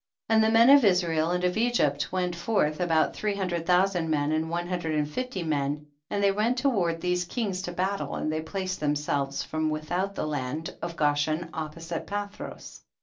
22. And the men of Israel and of Egypt went forth, about three hun dred thousand men and one hundred and fifty men, and they went toward these kings to battle, and they placed themselves from without the land of Goshen opposite Pathros.